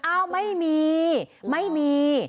อ้าวไม่มีไม่มี